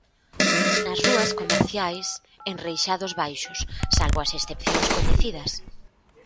Nas rúas comerciais, enreixados baixos, salvo as excepcións coñecidas.